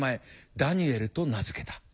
ダニエルと名付けた。